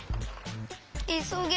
いそげ